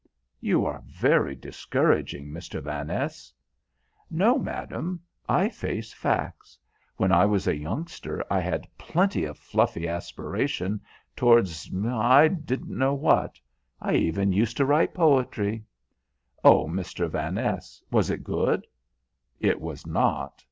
"You are very discouraging, Mr. Vaness." "No, madam; I face facts. When I was a youngster I had plenty of fluffy aspiration towards I didn't know what; I even used to write poetry." "Oh! Mr. Vaness, was it good?" "It was not.